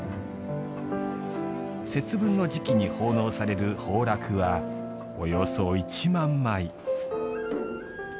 節分の時期に奉納される炮烙はおよそ１万枚。